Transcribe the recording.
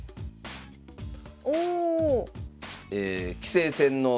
おお！